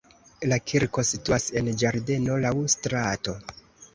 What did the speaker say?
La kirko situas en ĝardeno laŭ strato.